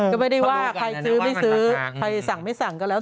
ก็ไม่ได้ว่าใครซื้อไม่ซื้อใครสั่งไม่สั่งก็แล้ว